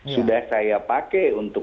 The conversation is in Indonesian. sudah saya pakai